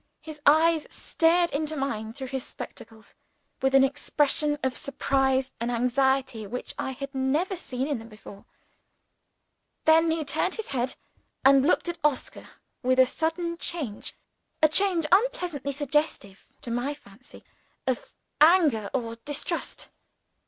His eyes stared into mine through his spectacles with an expression of surprise and anxiety which I had never seen in them before. Then he turned his head and looked at Oscar with a sudden change a change, unpleasantly suggestive (to my fancy) of anger or distrust.